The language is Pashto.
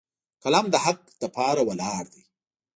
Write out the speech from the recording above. قلم د حق لپاره ولاړ دی